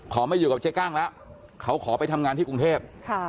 ไม่อยู่กับเจ๊กั้งแล้วเขาขอไปทำงานที่กรุงเทพ